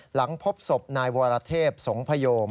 หลังพบศพนายวรเทพสงพยม